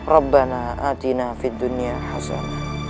rabbana atina fid dunya hasana